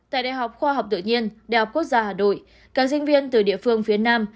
tại đại học khoa học tự nhiên đại học quốc gia hà nội các sinh viên từ địa phương phía nam